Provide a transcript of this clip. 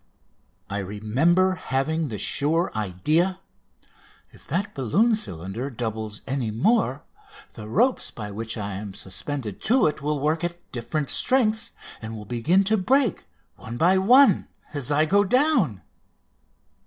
I remember having the sure idea: "If that balloon cylinder doubles any more, the ropes by which I am suspended to it will work at different strengths and will begin to break one by one as I go down!"